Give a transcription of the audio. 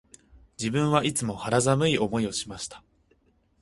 自分はいつも肌寒い思いをしました